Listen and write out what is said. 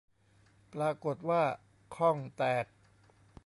ปรากฏว่าข้องแตก